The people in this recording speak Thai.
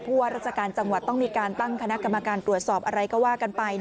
ว่าราชการจังหวัดต้องมีการตั้งคณะกรรมการตรวจสอบอะไรก็ว่ากันไป